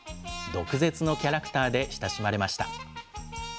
毒舌のキャラクターで親しまれました。